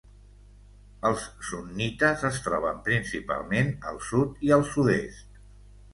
Els sunnites es troben principalment al sud i al sud-est.